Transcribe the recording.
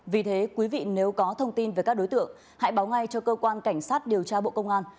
vì thế quý vị nếu có thông tin về các đối tượng hãy báo ngay cho cơ quan cảnh sát điều tra bộ công an